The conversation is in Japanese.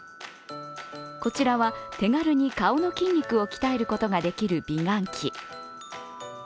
こちらは手軽に顔の筋肉を鍛えることができる美顔器。